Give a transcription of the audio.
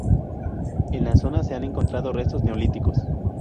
En la zona se han encontrado restos neolíticos.